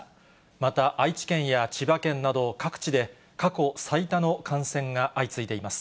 また愛知県や千葉県など、各地で過去最多の感染が相次いでいます。